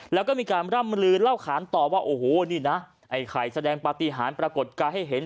แล้วก็มีการร่ำลือเล่าขานต่อว่าโอ้โหนี่นะไอ้ไข่แสดงปฏิหารปรากฏการณ์ให้เห็น